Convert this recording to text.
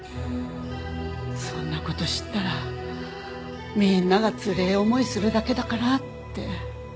そんな事知ったらみんながつれえ思いするだけだからって。